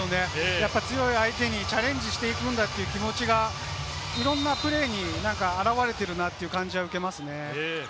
やっぱり強い相手にチャレンジしていくんだという気持ちがいろんなプレーに表れているなという感じは受けますね。